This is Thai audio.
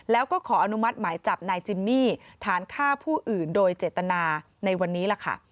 แล้วก็ขออนุมัติหมายจับนายจิมมี่ฐานฆ่าผู้อื่นโดยเจตนาในวันนี้ล่ะค่ะ